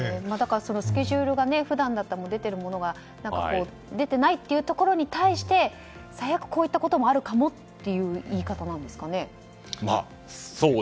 スケジュールがふだんだったら出てるものが出ていないっていうのに対して最悪、こういったこともあるかもっていう言い方なんですかね。